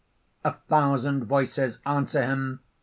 _ _A thousand voices answer him.